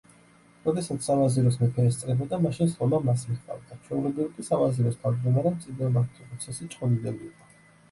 როდესაც სავაზიროს მეფე ესწრებოდა, მაშინ სხდომა მას მიჰყავდა; ჩვეულებრივ კი, სავაზიროს თავმჯდომარე მწიგნობართუხუცეს-ჭყონდიდელი იყო.